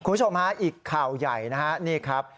คุณผู้ชมฮะอีกข่าวใหญ่นะฮะนี่ครับ